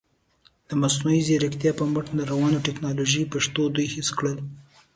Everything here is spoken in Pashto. د مصنوعي زیرکتیا په مټ روانو تکنالوژیکي نښتو دوی هېښ کړل.